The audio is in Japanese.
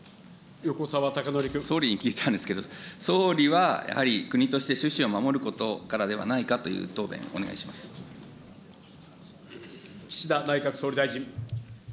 総理に聞いたんですけれども、総理はやはり国として種子を守ることからではないかという答弁、岸田内閣総理大臣。